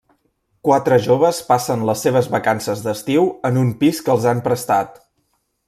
Quatre joves passen les seves vacances d'estiu en un pis que els han prestat.